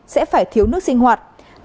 sẽ phải thiếu nước sinh hoạt